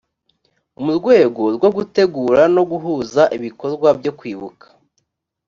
mu rwego rwo gutegura no guhuza ibikorwa byo kwibuka